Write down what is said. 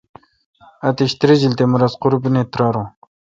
اتیش تریجیل تے مہ رس قربینی تہ تریارون۔